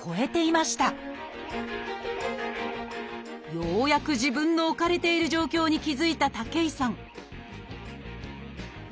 ようやく自分の置かれている状況に気付いた武井さん